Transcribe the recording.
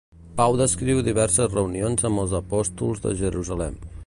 Pau descriu diverses reunions amb els apòstols de Jerusalem.